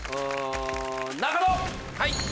はい！